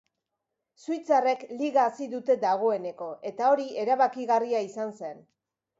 Suitzarrek liga hasi dute dagoeneko eta hori erabakigarria izan zen.